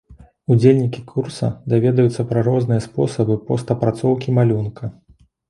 Удзельнікі курса даведаюцца пра розныя спосабы пост апрацоўкі малюнка.